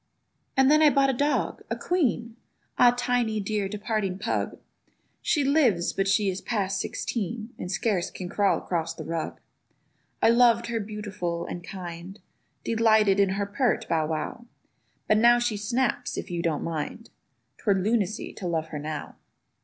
And then I bought a dog—a queen! Ah Tiny, dear departing pug! She lives, but she is past sixteen And scarce can crawl across the rug. I loved her beautiful and kind; Delighted in her pert Bow wow: But now she snaps if you don't mind; 'Twere lunacy to love her now.